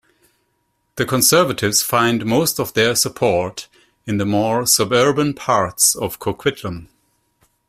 The Conservatives find most of their support in the more suburban parts of Coquitlam.